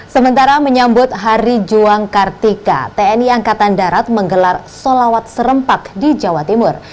sementara menyambut hari juang kartika tni angkatan darat menggelar solawat serempak di jawa timur